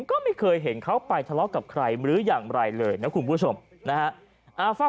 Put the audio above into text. ก็ไม่เคยเห็นเขาไปทะเลาะกับใครหรืออย่างไรเลยนะคุณผู้ชมนะฮะฟัง